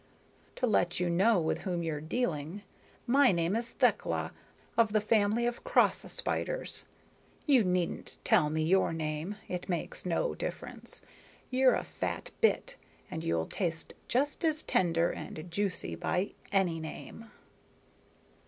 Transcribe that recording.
To let you know with whom you're dealing, my name is Thekla, of the family of cross spiders. You needn't tell me your name. It makes no difference. You're a fat bit, and you'll taste just as tender and juicy by any name."